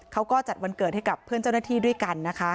เขาก็จัดวันเกิดให้กับเพื่อนเจ้าหน้าที่ด้วยกันนะคะ